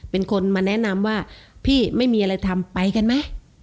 เป็นคนมาแนะนำว่าพี่ไม่มีอะไรทำไปกันไหม